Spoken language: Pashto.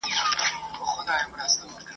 څو ورځي کېږي ..